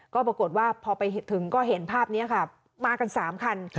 ก็ปรากฏว่าพอไปถึงก็เห็นภาพนี้ค่ะมากัน๓คัน